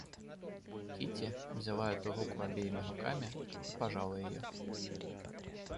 Кити взяла эту руку обеими руками и пожала ее.